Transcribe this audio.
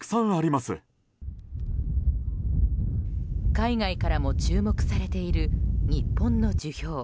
海外からも注目されている日本の樹氷。